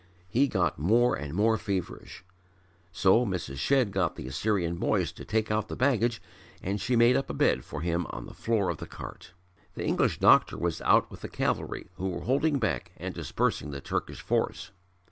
He got more and more feverish. So Mrs. Shedd got the Assyrian boys to take out the baggage and she made up a bed for him on the floor of the cart. The English doctor was out with the cavalry who were holding back and dispersing the Turkish force.